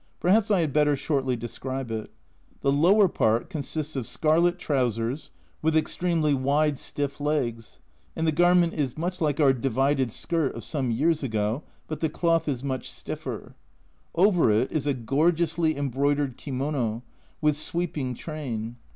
Perhaps I had better shortly describe it. The lower part consists of scarlet trousers with extremely wide stiff legs, and the garment is much like our "divided skirt" of some years ago, but the cloth is much stiffen Over it is a gorgeously embroidered kimono, with sweeping train.